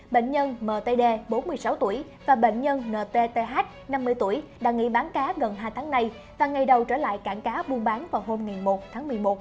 bệnh nhân mtd bốn mươi sáu tuổi và bệnh nhân ntth năm mươi tuổi đã nghỉ bán cá gần hai tháng nay và ngày đầu trở lại cảng cá buôn bán vào hôm một tháng một mươi một